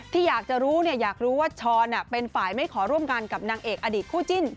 ที่อยากจะรู้อยากรู้ว่าช้อนเป็นฝ่ายไม่ขอร่วมกันกับนางเอกอดีตคู่จิ้น